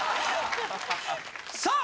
さあ！